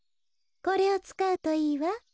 これをつかうといいわ。